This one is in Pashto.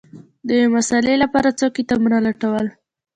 د یوې مسألې لپاره څو کتابونه لټول